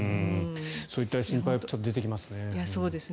そういった疑念はちょっと出てきますね。